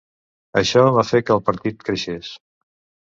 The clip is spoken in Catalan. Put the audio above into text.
Això va fer que el partit creixés.